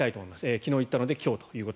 昨日言ったので今日と。